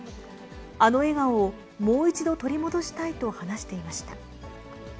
あの笑顔をもう一度取り戻したいと話していました。